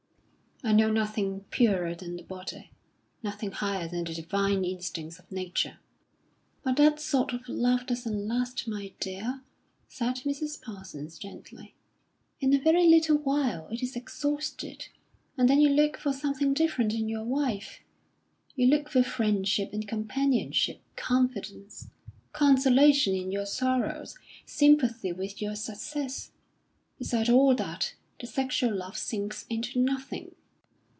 "I know nothing purer than the body, nothing higher than the divine instincts of nature." "But that sort of love doesn't last, my dear," said Mrs. Parsons, gently. "In a very little while it is exhausted, and then you look for something different in your wife. You look for friendship and companionship, confidence, consolation in your sorrows, sympathy with your success. Beside all that, the sexual love sinks into nothing."